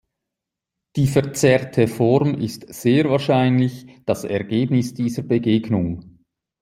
Die verzerrte Form ist sehr wahrscheinlich das Ergebnis dieser Begegnung.